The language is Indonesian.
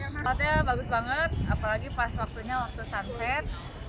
tempatnya bagus banget apalagi pas waktunya waktu sunset